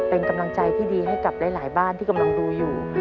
เป็นกำลังใจที่ดีให้กับหลายบ้านที่กำลังดูอยู่